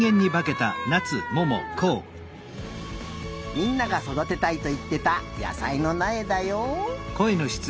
みんながそだてたいといってた野さいのなえだよ。